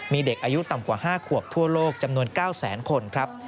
มีเด็กอายุต่ำกว่า๕ขวบทั่วโลกจำนวน๙แสนคนครับ